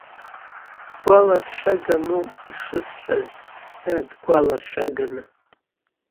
Гәаларшәаганоуп ишысҳәаз, дад, гәаларшәаганы.